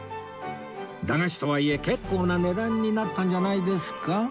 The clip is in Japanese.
駄菓子とはいえ結構な値段になったんじゃないですか？